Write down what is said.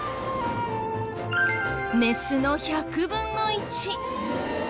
メスの１００分の１。